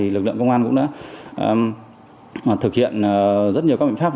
lực lượng công an cũng đã thực hiện rất nhiều các biện pháp